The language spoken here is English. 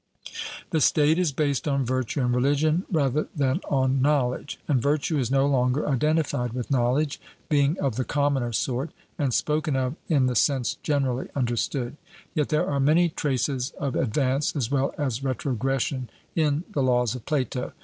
The State is based on virtue and religion rather than on knowledge; and virtue is no longer identified with knowledge, being of the commoner sort, and spoken of in the sense generally understood. Yet there are many traces of advance as well as retrogression in the Laws of Plato.